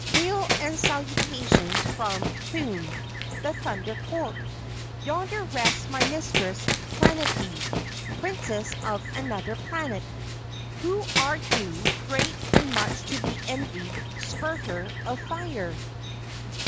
Hail and salutations from Thun, the Thunder Colt. Yonder rests my Mistress Planetty, Princess of Anuther Planet! Who are you, great and much to be envied spurter of fire?"